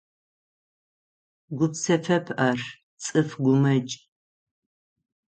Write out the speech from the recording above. Гупсэфэп ар, цӏыф гумэкӏ.